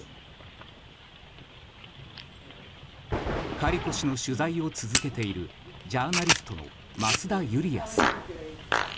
カリコ氏の取材を続けているジャーナリストの増田ユリヤさん。